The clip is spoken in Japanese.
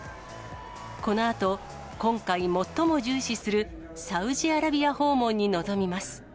このあと、今回、最も重視するサウジアラビア訪問に臨みます。